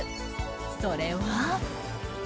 それは。